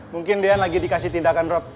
mungkin deyan lagi dikasih tindakan rob